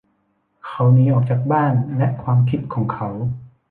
เขาหนีออกจากบ้านและความคิดของเขา